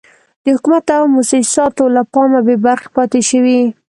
د حکومت او موسساتو له پام بې برخې پاتې شوي.